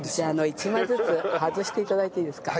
１枚ずつ外して頂いていいですか？